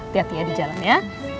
tiantya di jalan ya